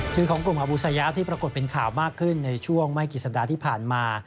ของกลุ่มอบูซายาที่ปรากฏเป็นข่าวมากขึ้นในช่วงไม่กี่สัปดาห์ที่ผ่านมา